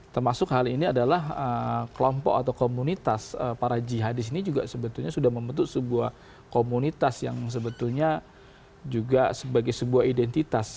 termasuk hal ini adalah kelompok atau komunitas para jihadis ini juga sebetulnya sudah membentuk sebuah komunitas yang sebetulnya juga sebagai sebuah identitas